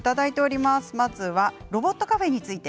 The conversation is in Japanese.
まずはロボットカフェについてです。